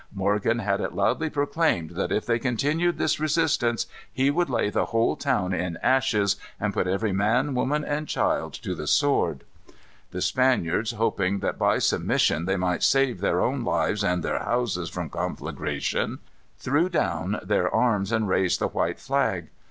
Morgan had it loudly proclaimed that if they continued this resistance he would lay the whole town in ashes, and put every man, woman, and child to the sword. The Spaniards, hoping that by submission they might save their own lives and their houses from conflagration, threw down their arms and raised the white flag.